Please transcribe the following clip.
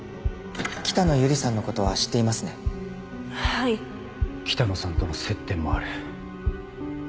北野由里さんのことは知ってはい北野さんとの接点もある。